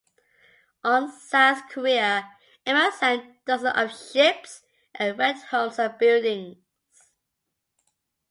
On South Korea, Emma sank dozens of ships and wrecked homes and buildings.